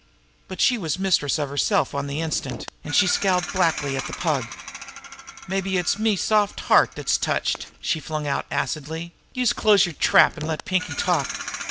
But she was mistress of herself on the instant, and she scowled blackly at the Pug. "Mabbe it's me soft heart dat's touched!" she flung out acidly. "Youse close yer trap, an' let Pinkie talk!"